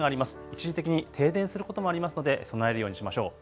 一時的に停電することもありますので備えるようにしましょう。